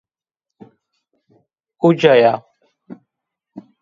Uca ya